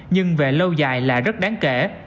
nhưng về lâu dài là rất đáng kể